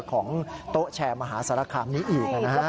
ของโต๊ะแชร์มหาสารคามนี้อีกนะฮะ